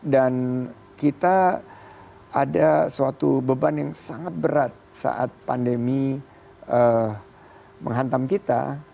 dan kita ada suatu beban yang sangat berat saat pandemi menghantam kita